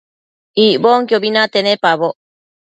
Icbonquiobi nate nepaboc